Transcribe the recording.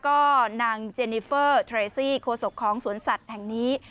ก็นางเจนิเฟอร์เทรซี่โคศกของสวนสัตว์แห่งนี้